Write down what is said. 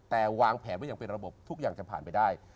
แต่วางแผนไว้อย่างเป็นระบบทุกอย่างจะผ่านไปได้